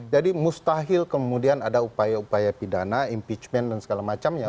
jadi mustahil kemudian ada upaya upaya pidana impeachment dan segala macamnya